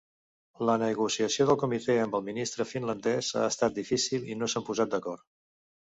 La negociació del Comité amb el ministre finlandés ha estat difícil i no s'han posat d'acord.